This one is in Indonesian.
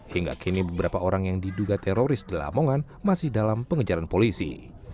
hingga kini beberapa orang yang diduga teroris di lamongan masih dalam pengejaran polisi